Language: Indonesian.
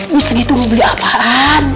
bu segitu mau beli apaan